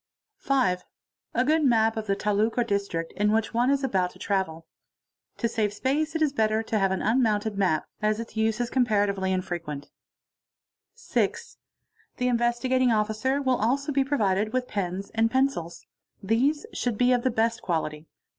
f 5. A good map of the taluq or district in which one is about to itavel. To save space it is better to have an unmounted map, as its use aed infrequent. 6. The Investigating Officer will also be provided with pens and ils. These should be of the best quality.